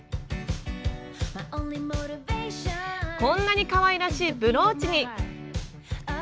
こんなにかわいらしいブローチに！